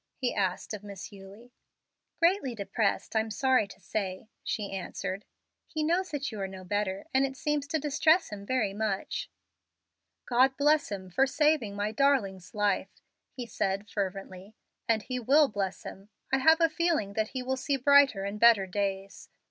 he asked of Miss Eulie. "Greatly depressed, I'm sorry to say," she answered. "He knows that you are no better, and it seems to distress him very much." "God bless him for saving my darling's life!" he said, fervently; "and He will bless him. I have a feeling that he will see brighter and better days.